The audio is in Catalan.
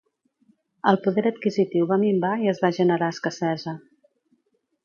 El poder adquisitiu va minvar i es va generar escassesa.